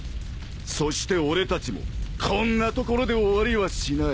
そして俺たちもこんなところで終わりはしない。